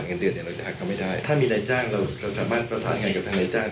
เราจะหักกันไม่ได้ถ้ามีในจ้างเราจะสามารถประสานงานกับทางในจ้าง